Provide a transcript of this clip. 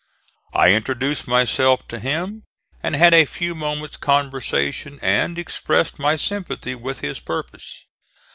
I introduced myself to him and had a few moments' conversation and expressed my sympathy with his purpose.